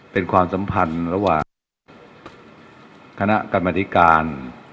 เป็นความสัมพันธ์ระหว่างคณะกรรมธิการ